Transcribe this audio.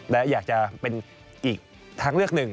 และอยากจะเป็นอีกทางเลือกหนึ่ง